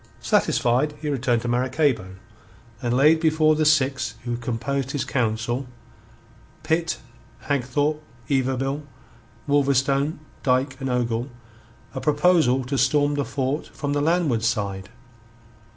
Satisfied, he returned to Maracaybo, and laid before the six who composed his council Pitt, Hagthorpe, Yberville, Wolverstone, Dyke, and Ogle a proposal to storm the fort from the landward side.